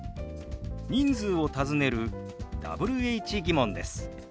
人数を尋ねるＷｈ−疑問です。